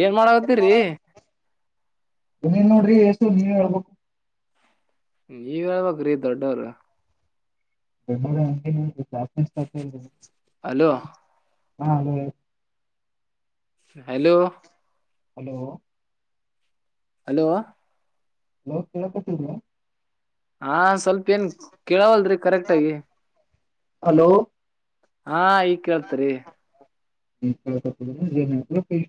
ಏನ್ ಮಾಡಕತ್ತೀರರಿ ಎಸು ನೀವ್ ಹೇಳ್ಬೇಕು ನೀವ್ ಹೇಳ್ಬ್ರೀ ದೊಡ್ಡವ್ರ ಬೆ ಕ್ಷಮಿಸಿ ಹಲೋ ಹಾ ಹ ಹಲೋ ಹಲೋ ಹಲೋ ಲ ಕೇಳಪಟ್ಟವಾ ಹಾ ಸ್ವಲ್ಪ ಏನ್ ಕೇಳವಲ್ರಿ ಕರೆಕ್ಟ ಆಗಿ ಹಲೋ ಹಾ ಈಗ ಕೇಳ್ತರಿ ಹ ಜನ ಪೇಶ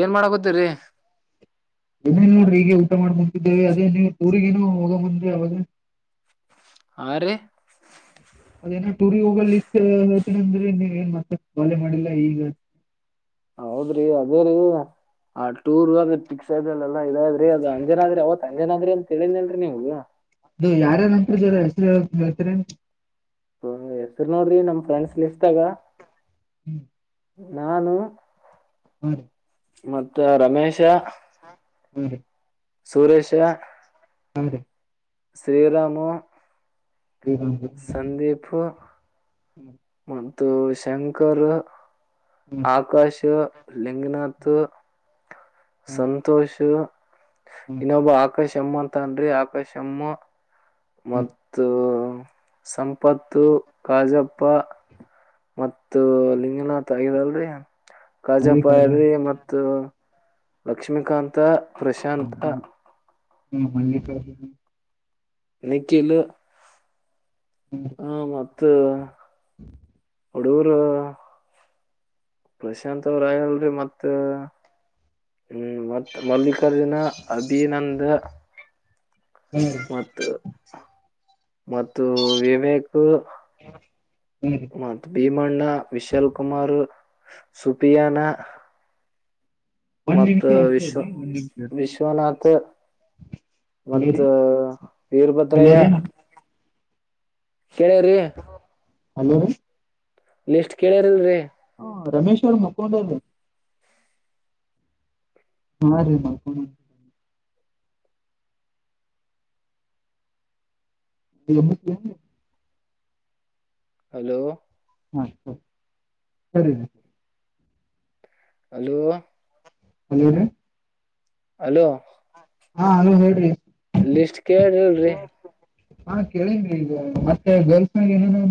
ಏನ್ ಮಾಡಕತ್ತೀರಿ ಜಮೇ ನೋಡ್ರಿ ಈಗ ಊಟ ಮಾಡ್ಕಂತಿದ್ದೇವೆ ಅದೇ ನೀವು ಊಗೇನು ಹೋಗ ಬಂದ್ರಿ ಅವಾಗ ಆ ರೀ ಅದೇನ ಟೂರ್ ಹೋಗಲ್ಲ ಇಷ್ಟ ಹೇಳ್ತೀನ ಅಂದ್ರೆ ನೀವ ಏನ್ ಮತ್ತ ಬಾಲೆ ಮಾಡಿಲ್ಲ ಈಗ ಹೌದ್ರಿ ಅದೇ ರೀ ಆ ಟೂರ್ ಅದ್ರೆ ಪಿಕ್ಸ್ ಅಲ್ಲಾ ಇದ್ರಿ ಅದು ಅಂಜನಾದ್ರಿ ಅವತ್ ಅಂಜನಾದ್ರಿ ಅಂತ ಹೇಳಿದಿಲ್ರರಿ ನೀವು ಇದು ಯಾರ ನಂತ ಜ ಹೆಸರು ಹೇತರಿ ಹ ಹೆಸ್ರು ನೋಡ್ರಿ ನಮ್ ಫ್ರೆಂಡ್ಸ್ ಲ ಇಷ್ಟ ಆಗ ಹ್ಮ್ ನಾನು ಹುಂ ರಿ ಮತ್ತ ರಮೇಶ ಹ್ಮ್ ಹ್ಮ್ ಸುರೇಶ ತಂನ್ರೀ ಶ್ರೀರಾಮು ಹ್ಮ್ ಹ್ಮ್ ಹ್ಮ ಸಂದೀಪು ಹ್ಮ ಮತ್ತು ಶಂಕರ್ ಹ್ಮ್ ಆಕಾಶ್ ಲಿಂಗನಾಥ ಸಂತೋಷು ಹ್ಮ್ ಹ್ಮ್ ಇನ್ನೊಬ್ಬ ಆಕಾಶ್ ಎಮ್ ಅಂತ ಅನ್ರಿ ಆಕಾಶ್ ಎಮ್ ಮತ್ತು ಸಂಪತ್ತು ಕಾಜಪ್ಪ ಮತ್ತು ಲಿಂಗನಾಥಗಿರಲ್ರರಿ ಕಾಜಾಪ್ಪಾಯ ಮಲ್ಲಿಕಾರ್ಜುನ್ ಅದರಿ ಮತ್ತು ಲಕ್ಷ್ಮೀಕಾಂತ ಹ್ಮ್ ಪ್ರಶಾಂತ ಮಲ್ ಹ್ಮ್ ಮಲ್ಲಿಕಾರ್ಜುನ್ ನಿಖಿಲು ಹ್ಮ್ ಹಾ ಮತ್ ಹುಡುಗುರು ಪ್ರಶಾಂತ್ ಅವ್ರಲ್ರಿ ಮತ್ ಹ್ಮ್ ಮತ್ತ್ ಮಲ್ಲಿಕ್ ಕಾರ್ಜುನ ಅಭಿನಂದ ಹ್ಮ್ ಮತ್ತು ಮತ್ತು ವಿವೇಕ್ ಹಾ ರೀ ಮತ್ ಭೀಮಣ್ಣ ವಿಶಾಲ್ ಕುಮಾರ್ ಸುಪಿಯಾನ ಒಂದ್ ಮತ್ ನಿಮಿಷ ಅಷ್ಟೇ ವಿಶ್ವ ರೀ ಒಂದ್ ನಿಮಿಷ ರೀ ವಿಶ್ವನಾಥ ಹಲೋ ರೀ ಮತ್ ಹಲೋ ವೀರಭದ್ರಯ್ಯ ರೀ ಕೇಳೇರಿ ಹಲೋ ಲಿಸ್ಟ್ ಕೇಳಿರಲ್ರರಿ ಹ ರಮೇಶ್ ಅವ್ರು ಮಕೊಂಡವ್ರಿ [unintelligible] [inaudible] ಹಲೋ ಸರಿ ರಿ ಹಲೋ ಹಲೋ ರಿ ಹಲೋ ಹಾ ಹಲೋ ಹೇಳ್ರಿ ಲಿಸ್ಟ್ ಕೇಳ್ರಿಲ್ರರಿ ಹಾ ಕೇಳಿನ್ರಿ ಈಗ ಮತ್ತೆ ಗರ್ಲ್ಸ್ನಾಗ ಏನು [unintelligible]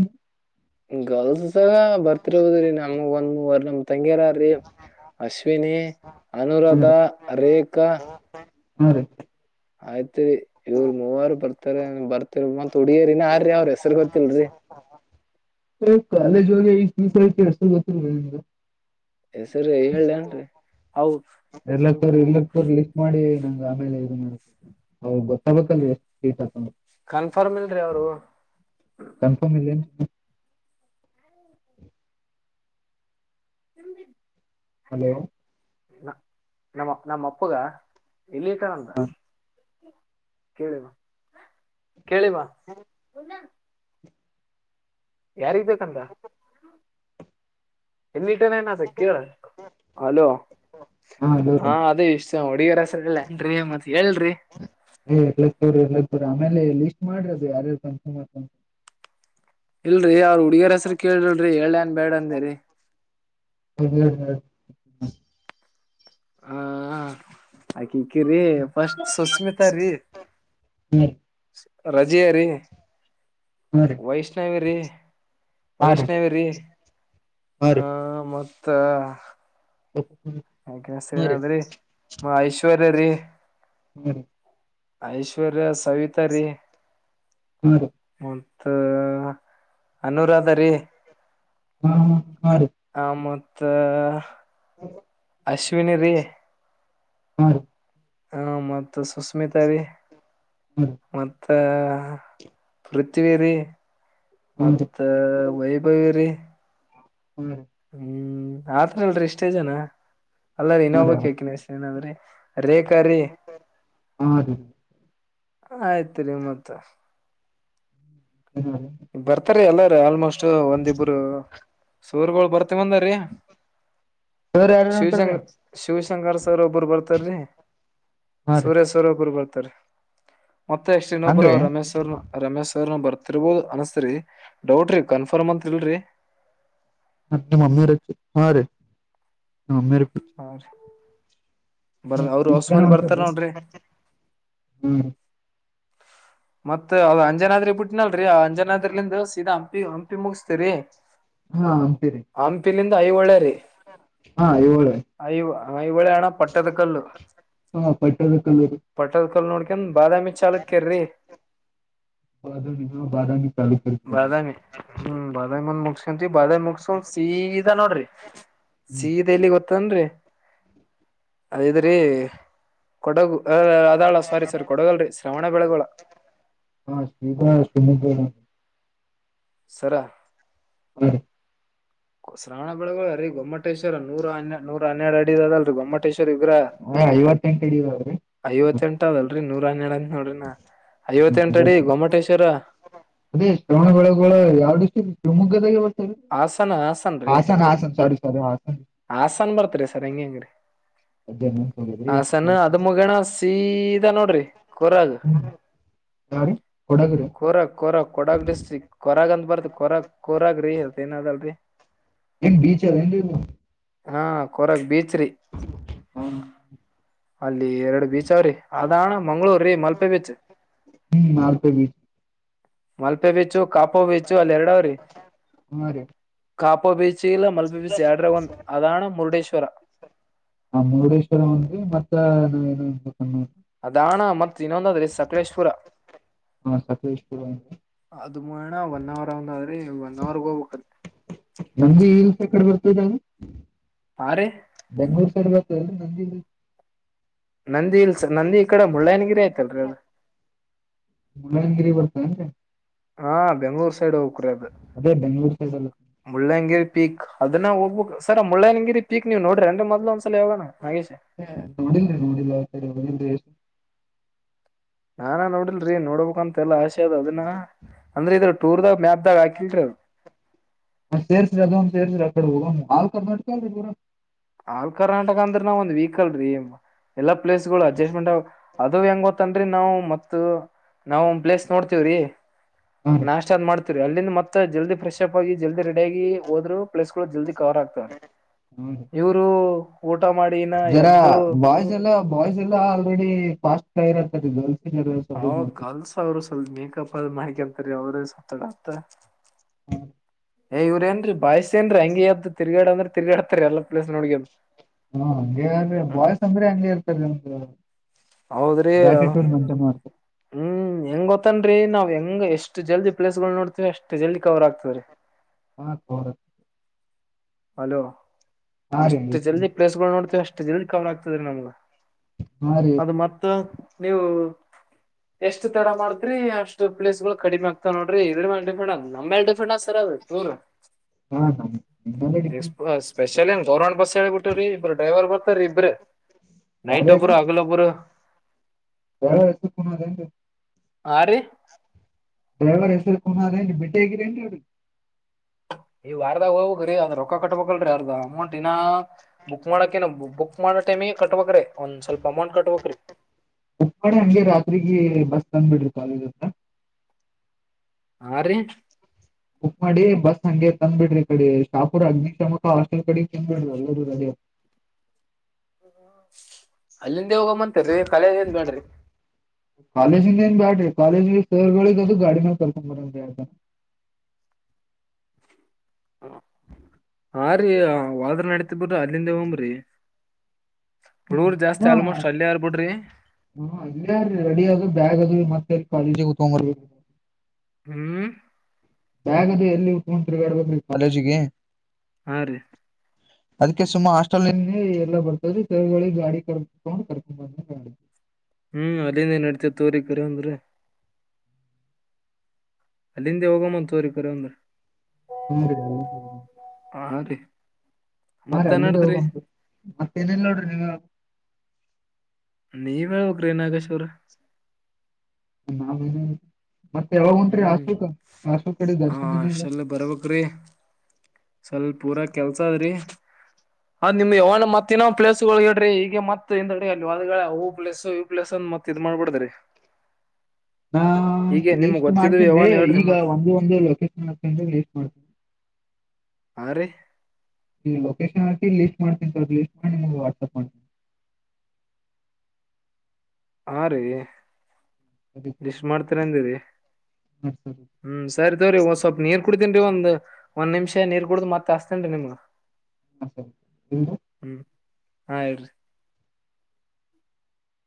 ಗರ್ಲ್ಸ್ ಸಾಗ ಬರ್ತಿರ್ಬೋದ್ರೀ ನಮಗ ಒಂದ್ ಮೂವರ್ [unintelligible] ತಂಗಿರಾರಿ ಅಶ್ವಿನಿ ಅನುರಾಧ ರೇಖಾ ಹುಂ ರೀ ಆಯಿತಿವಿ ಇವರು ಮೂವಾರ್ ಬರ್ತಾರ ಬರ್ತಿರ್ ಮತ್ ರಿ ಇನ್ಯಾರ್ರಿ ಅವ್ರ ಹೆಸರು ಗೊತ್ತಲ್ರಿ [unintelligible] ಹೆಸರಿ ಹೇಳ ಹೇಳಲ್ರಿ ಎಲ್ಲಕ್ಕೋ ಎಲ್ಲಕ್ಕ ತೋರ ಲಿಸ್ಟ್ ಮಾಡಿ ನಂಗ ಆಮೇಲೆ ಇದ್ ಮಾಡು ಅವಾಗ್ ತಕೋತಿನಿ ಎಷ್ಟ್ ಸೀಟ್ ಆಯ್ತಾತ್ ಕನ್ಫರ್ಮ್ ಇಲ್ ಕನ್ಫರ್ಮ್ ಇಲ್ಲೆ ಹ ಹಲೋ ನ ನಮ್ಮ ನಮ್ಮ ಅಪ್ಪಗ ವಿಲೇಕಾನಂದ ದಾಸ್ ಕೇಳಿಿವ ಕೇಳಿಿವ ಯಾರ್ದಂತ ಎಲ್ಲಿಟ್ಟನೆ ಸೆ ಕ ಹಲೋ ಹಾ ಹಲೋ ಹ ರೀ ಅದೇ ಹೊಡಗರ ಹಸರಲ್ಲ ಮತ್ತೆ ಏ್ ಎ ತ ತ ಆಮೇಲೆ ಲಿಸ್ಟ್ ಮಾಡರದು ಯಾರ ಇಲ್ರರಿ ಅವ್ರ ಹುಡ್ಗಿಯರ ಹೆಸರು ಕೇಳಿಲ್ರರಿ ಹೇಳ ನ್ ಬೇಡ ಅಂದಿರಿ ಹ್ಮ ಹ್ಮ್ ಹ್ಮ್ ಹಾ ಆಾಕಕ್ಕಿ್ರರಿ ಫಸ್ಟ್ ಸುಸ್ಮಿತ್ರೀ ಹ್ಮ ರಜಿಯರಿ ಹಾ ರೀ ವೈಷ್ಣವೇರಿ ಹಾ ರೀ ವೈಷ್ಣವಿರ ಹಾ ರೀ ಹ್ಮ ಮತ್ತ ಯ ಹಾ ರೀ ಅದ್ರ ಮಹಶ್ವರರಿೀ ಹ್ಮ ಐಶ್ವರ್ಯ ಸವಿತ ರೀ ಹ್ಮ ರ ಮತ್ತ ಅನುರಾಧ ರೀ ಹ್ಮ ಆ ಮತ್ತೆ ಹೌ ಅಶ್ವಿಿನಿ ರೇ ಹ್ಮ ಹ್ಮ ಮತ್ತ ಸುಸ್ಮಿತಾೀ ಹಾ ರೀ ಮತ್ ಆ ಪೃಥ್ಿವೀರಿ ಹಾ ರೀ ಮತ್ತ ವೈಭವಿ ರೀ ಹ್ಮ ರೀ ಆತ ಅಲ್ರರಿ ಇಷ್ಟೇ ಜನ ಅಲ್ಲರ ಇನ್ನೋಬ್ಬಕ್ ಹಾಕಿನಷ್ಟ ಏನಾದ್ರಿ ರೇಖಾ ರೀ ಹಾ ರೀ ಆಯ್ತ್ರಿೀ ಮತ್ತ ಹಾ ರೀ ಬರ್ತಾರ ಎಲ್ಲಾರ ಆಲ್ಮೋಸ್ಟ್ ಒಂದಿಬ್ರು ಸೂರ್ಗಳು ಬರ್ತಿೀ ಬಂದ್ರೀ ಸರ್ ಯಾರ ಶಿವಜಂಗ ಹೊಂಟ್ರಿ ಶಿವ ಶಂಕರ್ ಸರ್ ಒಬ್ಬರು ಬರ್ತಾರಿ ಹಾ ರೀ ಸುರೇಶ್ ಸರ್ ಒಬರು ಬರ್ತಾರೀ ಮತ್ತೆ ಎಷ್ಟ್ ಇನ್ನೊಬ್ಬರು ಹಂಗ್ರೀ ರಮೇಶ್ ಅವರ್ ರಮೇಶ್ ಅವರ್ ಬರ್ತಿರ್ಬೋದು ಅನ್ಸ್ತರಿ ಡೌಟ್್ರೀ ಕನ್ಫರ್ಮ್ ಅಂತ ಇಲ್ರರಿ ಮಮ್ಮಿರೆ ಹಾಂ ರೇ ಮಮ್ಮಿ ಹೌ ಬರ ಅವರು ಇಷ್ಟ್ ಜನ ಅವಸಮಾನಿ ಬರ್ತಾರ ಹೊಂಟಾರಿ ನೋಡ್ರಿ ಹ್ಮ್ ಮತ್ ಅದ್ ಅಂಜನಾದ್ರಿ ಬಿಟ್ಟನಲ್ರರಿ ಆ ಅಂಜನಾದ್ರಲಂದು ಸೀದಾ ಹಂಪಿ ಹಂಪಿ ಮುಗಸ್ತರಿ ಹಾ ಸರಿ ಐ ಒಳ್ಳರಿ ಹಾ ಇವ ನಾ ಇವಳ ಆಣ ಪಟ್ಟದ ಕಲ್ಲು ಹಾ ಪಟ್ಟದಕಲ್ಲೂರು ಪಟ್ಟದ ಕಲ್ ನೋಡ್ಕನ್ ಬಾದಾಮಿ ಚಾಲುಕ್ಕರಿ ಬಾಮ ಬಾರಾಮಾಮ ಬಾದಾಮಿ ಹ್ಮ್ ಬಾದಾಮಿ ಮಂದ ಮುಖ ಬದ ಮುಗಸ ಸೀದಾ ನೋಡ್ರಿ ಹ್ಮ್ ಸೀದ ಇಲ್ಲಿ ಗೊತ್ತ ತನ್ರಿ ಅದದ್ರೀ ಕೊಡಗು ಅ ಅದಾಳ ಸಾರಿ ಸಾರಿ ಕೊಡಗಲ್ರರಿ ಶ್ರವಣ ಬೆಳಗೋಳ ತನ್ನ ಸರಾ ಹ್ಮ ಶ್ರಾವಣ ಬೆಳಗಳ ರೀ ಗೊಮ್ಮಟೇಶ್ವರ ನೂ ನೂರ ಹನ್ನೆರಡು ಅಡಿದೀ ಗೊಮ್ಮಟ್ಟ ಟೇಶ್ವರಿ ಇಗ್ರ ಹ ಐವತ್ತೆಂಟ ಅಡಿದಾವ್ರಿ ಐವತ್ತು ಎಂಟ ಅದಲ್ರರಿ ನೂರ ಹನ್ನೆಳ ಅಂತ ನೋಡ್ರಿ ನ ಹ್ಮ ಅದೇ ಶ್ರಾವಣ ಬೆಳಗೋಳ ಯಾವ್ದಷ್ಟು ತಮಗ್ಗದವತರಿ ಹಾಸನ ಹಾಸನ್ ರೀ ಹಾಸನ ಹಾಸನ್ ಸರಿ ಸರಿ ಹಾಸ ಹಾಸನ್ ಬರ್ತರಿ ಸರ್ ಹೆಂಗೆ ಹೆಂಗ್ರ ಹೋಗದ್ರಿ ಹಸನ್ ಅದು ಮುಗೇನ ಸೀ ಇದ ನೋಡ್ರಿ ಕೊರಾಗ ಕಡ ಕೊರ ಕೊರ ಕೊಡಾಗ ಡಿಸ್ಟ್ರಿಕ್ ಕೊರಗ ಅಂತ ಬರ್ತ್ ಕೊರ ಕರಾಗ ರೀ ಇ ಏನ ಅದಲ್ರರಿ ಎನು ಬೀಚ ಏನು ಹಾ ಕೊರಕ್ ಬೀಚ್್ರೀ ಹ್ಮ್ ಅಲ್ಲಿ ಎರಡು ಬೀಚ್ ಅವ್ರಿ ಅದಣ ಮಂಗ್ಗಳೂರ್್ರೀ ಮಲ್ಪೆ ಬೀಚ್ ಹ್ಮ ನಲ್ತ ಬೀ ಮಲ್ಪೆ ಬೀಚು ಕಾಪು ಬೀಚು ಅಲ್ಲಿ ಎರಡಾವ್ರಿ ಹಾ ರೀ ಕಾಪು ಬೀಚ್ ಚಲ ಮಲ್ಬಿಬಿಸಿ ಎಡ್ರ ಒಂದು ಅದಾನ ಮುರುಡೇಶ್ವರ ಹ ಹ ಅದಾಣ ಮ ಇನ್ನೊಂದಾದ್ರೆ ಸಕಲೇಶ್ಪುರ ಹಾ ಸಕಲೇಶ್ಪುರ ಅದ ಮಣ ಒನ್ ಅವರ್ ಅವದ್ರಿ ಒನ್ ಅವರ್ ಹೋಗ್ಬೇಕ ನಮ್ದಿ ಇಲ್ಸ ಕಡೆ ಬ ಹ್ಮ ಹಾ ರೀ ಸರಿಲ್ಲ ನಂದಿ ನಂದಿ ಇಲ್ಸ ನಂದಿ ಈ ಕಡೆ ಮುಳ್ಳಯನಗಿರಿ ಆಯ್ತಲ್ರಿ ಅದು ಹ ಹಾ ಬೆಂಗ್ಳೂರ್ ಸೈಡ್ ಹೋಗಕ್ರೆ ಅದು ಅದೇ ಬೆಂಗ್ಳೂರ್ ಸೈಡ್ ಅಲ್ಲ ಮುಳ್ಳಂಗಿರಿ ಪೀಕ್ ಅದನ್ನ ಹೋಗ ಹ ಸ ಮುಳ್ಳ್ಯನಗಿರಿ ಪಕ್ ನೀವು ನೋರರಿ ಅ್ರ ಮದ್ ಒ ಹ ಹ ನೋಡಿಲ್ರಿ ನೋಡಿಲ್ ನೋಡಿಲ್ರಿ ನಾಾನ ನೋಡಿಲ್ರರಿ ನೋಡ್ಬೇಕಂತ ಎಲ್ಲಾ ಆಸೆ ಅದ ಅದನ್ನ ಅಂದ್ರೆ ಇದ್ರ ಟೂರ್ದ ಮ್ಯಾ ತೇರ್ಸ್ರಿ ಅದ ಒಂದು ತೇರ್ಸ್ರಿ ಅ ಕಡೆ ಹೋಗೋ ಹಾಲ್ ಕರ್ಮಡ್ತ ರೀ ಪೂರ ಆಾಲ್ ಕರ್ನಾಟಕ ಅಂದ್ರ ನಾವ್ ಒಂದ್ ವೀಕಲ್ರರಿ ಎಲ್ಲಾ ಪ್ಲೇಸ್ಗಳು ಅಡ್ಜಸ್ಟ್ಮೆಂಟ್ ಅದು ಹೆಂಗ ಗತ್ತನ್ರಿ ನಾವ್ ಮತ್ ನಾವವು ಒಂದ್ ಪ್ಲೇಸ್ ನೋಡ್ತೇವ್ರಿ ಹಾ ರೀ ನಾಶಟ್ ಅ್ ಮಾಡ್ತತಿರಿ ಅಲ್ಲಿಂದ ಮತ್ತೆ ಜಲ್ದಿ ಫ್ರೆಸಪ್ ಆಗಿ ಜಲ್ದಿ ರೆಡಿ ಆಗ ಹೋದ್ರು ಪ್ಲಸ್ಗಳು ಜಲ್ದಿ ಕರ ಆಗ್ತವ್ರೆ ಹ್ಮ್ ಇವರು ಜರ ಬಾಯ್ಸ್ ಎಲ್ಲ ಬಾಯ್ಸ್ ಎಲ್ಲ ಆಲ್ರೆಡಿ ಫಾಸ್ಟ್ ಇರತ್ತದೆ ಗರ್ಲ್ಸ್ ಜರ ಹ ಸಪೋರ್ಟ್ ಮಾಡ್ತಾರ ಗರ್ಲ್ಸ್ ಅವ್ರರು ಸ್ವಲ್ಪ ಮೇಕಪ್ ಆದ ಮಾಹಕ ಅಂತರಿೀ ಅವ್ರ ಸತ್ತಡ ಅತ್ತ ಏ ಇವ್ ಏನ್ೀ ಬಾಯ್ ಏನ್ ಹಂಗ ಯದ್ದ ತಿರ್ಗಾ ಅಂದ್ರ ತಿಗಾಡತರಿ ಎಲ್ಲ ಪ್ಲೇಸ್ ನೋಡಗ ಹ್ಮ ಹಂಗಗೆ್ರ ಬಾಯ್ಸ್ ಅಂದ್ರೆ ಹಂಗೆ ಇರ್ತಾರ ಒಮ್ದ್ ಹೌದ್ರಿ ಹ್ಮ್ ಹೆಂಗ್ ಗೊತ್ತನ್ರಿ ನಾವ್ ಹೆಂಗ ಎಷ್ಟ್ ಎಷ್ಟು ಜಲ್ದಿ ಪ್ಲೇಸ್ ಗಳು ನೋಡ್ತೀ ಅಷ್ಟ ಜಲ್ದ ಕವರ್ ಆಗ್ತದೆಾರೆ ಹಾ ರ ಹಲೋ ಹಾ ರೀ ಎಷ್ಟು ಜಲ್ದಿ ಪ್ಲೇಸ್ಗಳು ನೋಡ್ತವೆ ಎಷ್ಟ ಜಲ್ದಿ ಕವರ್ ಆಗ್ತದ್ರೀ ನಮ್ಗ ಹಾ ರೀ ಅದು ಮತ್ತ ನೀವು ಎಷ್ಟ ತಡ ಮಾಡ್ತ್ರರಿ ಅಷ್ಟು ಪಲೇಸ್ಗಳು ಕಡಿಮೆಗ್ೆ ನೋಡ್ರಿ ಇದ್ರ ಮೇಲೆ ಡಿಫೆಂಟ್ ಅ ನಮ್ಮ ಮೇಲೆ ಡಿಫ್ರೆಂಟ್ ಅ ಸರ್ ಅದು ತೂರ್ ಹಾ ನಮ್ ನಿಮ್ಮಲ್ಲೇ ಡಿಪೆಂಡ್ ಸ್ಪೆಷಲಿ ಏ ಸೋರ್ಂಡ್ ಬಸ್ ಹೇಳೇಿ ಬಿಟ್ಟ್ರ ಇಬ್ರು ಡ್ರೈವರ್ ಬರ್ತಾರರಿ ಇಬ್ರ ನೈಟ್ ಒಬುರ ಅಗಲ ಪುರ ಹಾ ಎಷ್ಟ ಕು ಯಾರಿ ಡ್ರೈವರ ಹೆಸರಿಫೋನ್ ಆರ ಬಿಟೆ ಹಗರಟ ಅವಿಗೆ ಈವ ವಾರದಾಗ ಹೋಗ್ರೀ ಅದ್ ರೊಕ್ಕ ಕಟ್ಬೇಕಲ್ರೀ ಅರ್ದ ಅಮೌಂಟ್ ಇನ್ನ ಬುಕ್ ಮಾಡಕ ಬುಕ್ ಮಾಡ ಟೈಮಿಗೆ ಕಟ್ಬೇಕಕ್ ಒಂದ್ ಸ್ವಲ್ಪ ಅಮೌಂಟ್ ಕಟ್ಬಕ್ರೀ ಉಪ್ಪಳ ಹಂಗೆ ರಾತ್ರಿರಿಗೆ ಬಸ್ ತಂದ್ ಬಿಡ್ರಿ ಕಾಲೇಜ್ ಹತ್ರ ಹಾ ರೀ ಬುಕ್ ಮಾಡಿ ಬಸ್ ಹಂಗೆ ತಂದ್ಬಿಡ್ರಿ ಕಡೆ ಶಾಪುರ ಅಗ್ನಿಶಾಮಕ ಹಾಸ್ಟೆಲ್ ಕಡೆ ತಿದ್ಬಿಡ್ರಿ ಎಲ್ಲ ರ ಅಲ್ಲಿ ಕಾಲಜ ನೀನು ಬ್ಯಾಟೆ ಕಾಲಜ ಸಗಳಿ ತದು ಗಾಡಿ ನ ಕಕ ಬತ ಹಾ ರೀ ಹೋದ್ರ ನಡತ ಬಿರಿ ಅಲ್ಲಿಂದೇ ಹಮ್ರಿ ಹ್ಮ ಹ್ಮ ಹ ಯಾರೀ ರೆಡಿ ಅ ಬ್ಯಾಗ್ ಅದು ಮತ್ತೆ ಕಾಳ ಕುತ್ಬೇಕ ಹ್ಮ್ ಹಾಗಗದ ಎಲ್ಲಿ ಉಖಮಂತ್ರಿಗ ಆಡ್ಬೇಕು ಈ ಕಾಲೇಜಿಗೆ ಹಾ ರೀ ಅದಕ್ಕೆ ಸುಮ್ಮಾ ಹಾಸ್ಟೆಲ್ ಎಲ್ಲಾ ಬರ್ತದ್ರು ಗಾಡಿ ಕರ್ಕೊಂಡು ಕರ್ಕೊಂಡ್ ಬಂದ ಗಾಡಿ ಹ್ಮ್ ಅಲ್ಲಿಂದ ಏನ್ ನಡ್ತೇತ್ ತೋರಿ ಕರ ಅಂದ್ರೆ ಅಲ್ಲಿಂದೆ ಹೋಗಮ್ಮನ್ ತೋರಿ ಕರವಂದ್ರ ಹ್ಮ್ಮ ಹಾ ರಿ ಆರ ಅಲ್ಲ ತ ಮತ್ತೇನಲ್ಲ ನೀವ ಹೋಗ್ರೀ ನಾಗೇಶರ [unintelligible] ಮತ್ತೆ ಯಾವಾಗಂಟ್ರರಿ ಹ್ಮ್ ಅಶೋಕ ಅಶೋ ಕಡೆ ಹಾ ದರ್ಶನನ ಇಲ್ಲ ಸ್ವಲ್ ಪೂರಾ ಕೆಲ್ಸ ಅದ್ರಿ ಹ್ಮ್ ಯಾವಾಗನ ಮತ್ತ ಇನೋ ಪ್ಲೇಸ್ ಗಳುಗ ಇಡ್ರಿ ಈಗ ಮತ್ತತ್ ಪ್ಲಸ್ ಯು ಪ್ಲಸ್ ಮತ್ತತ್ ಇದ್ ಮಾಡ್ಬಿಡ್ದ್ರ ನಾ ಲೀಸ್ಟ್ ಮಾಡ್ತೀನ್ ಯಾವನ್ ಹೇಳ್ರಿ ಈಗ ಮತ್ ಒಂದು ಒಂದು ಲೊಕೇಶನ್ ಹತನ್ ಲೀಸ್ ಮಾಡ್ತನ್ಿ ಆ ರಿ ನೀ ಲೊಕೇಶನ್ ಹಾಕಿ ಲಿಸಸ್ ಮಾಡ್ತೀನಿ ಸರ್ ಲಿಸ್ ಮಾಡಿ ನಿಮಗ ವಾಟ್ಸಪ್ ಮಾಡ್ತೀ ಹಾ ರೀ ಮಾಡ್ತೇನಿ ಎಷ್ಟ ಮಾಡ್ತರ ಅಂದಿರಿ ಹ್ಮ್ ಸರಿ ತವ್ರಿ ಒ ಸ್ವಲ್ಪ್ಪ ನೀರ್ ಕುಡತ [unintelligible] ಒಂದ ಒಂದ್ ನಿಮಷ ನೀರ್ ಕುಡ್ದ್ ಮತ್ತಾಸ್ತೇನ್ ನಿಮ್ಗ ಹ್ಮ್ ಹ ಹಾ ಹೇಳರಿ